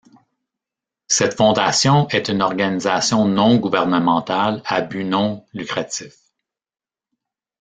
Cette fondation est une organisation non gouvernementale à but non lucratif.